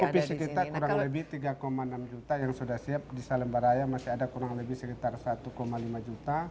provinsi kita kurang lebih tiga enam juta yang sudah siap di salembaraya masih ada kurang lebih sekitar satu lima juta